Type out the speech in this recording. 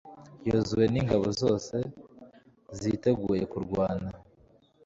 yozuwe n'ingabo zose ziteguye kurwana